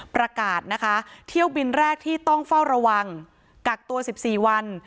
ประกาศนะคะเที่ยวบินแรกที่ต้องเฝ้าระวังกักตัว๑๔วัน